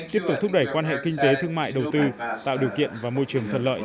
tiếp tục thúc đẩy quan hệ kinh tế thương mại đầu tư tạo điều kiện và môi trường thuận lợi